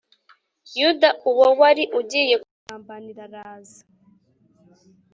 Yuda uwo wari ugiye kumugambanira araza